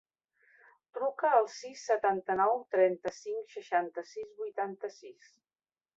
Truca al sis, setanta-nou, trenta-cinc, seixanta-sis, vuitanta-sis.